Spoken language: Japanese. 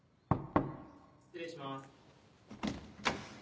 ・失礼します